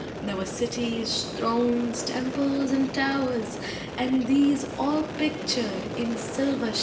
There were cities, thrones, temples, and towers, and these All pictured in silver sheen!